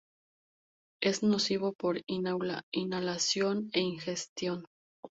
Es nocivo por inhalación e ingestión.